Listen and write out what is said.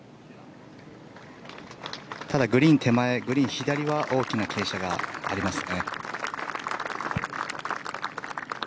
ただグリーン手前、グリーン左は大きな傾斜がありますね。